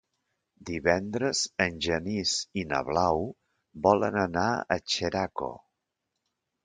Divendres en Genís i na Blau volen anar a Xeraco.